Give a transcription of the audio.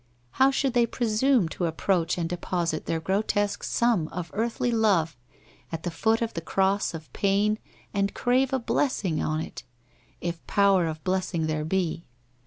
How .should they presume to approach and deposit their grotesque sum of earthly love at the foot of the cross of pain and crave a blessing on it — if power of blessing there be?